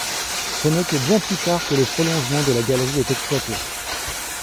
Ce n'est que bien plus tard que le prolongement de la galerie est exploré.